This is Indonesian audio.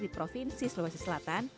di provinsi sulawesi selatan